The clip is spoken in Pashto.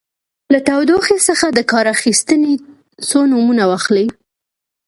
له تودوخې څخه د کار اخیستنې څو نومونه واخلئ.